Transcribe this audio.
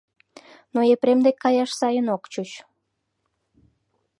Но Епрем дек каяш сайын ок чуч.